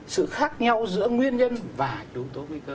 sự khác nhau giữa nguyên nhân và yếu tố nguy cơ